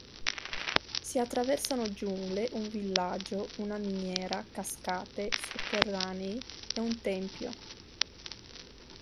Si attraversano giungle, un villaggio, una miniera, cascate, sotterranei e un tempio.